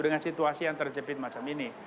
dengan situasi yang terjepit macam ini